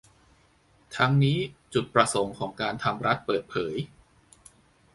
ทั้งนี้จุดประสงค์ของการทำรัฐเปิดเผย